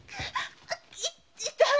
痛い！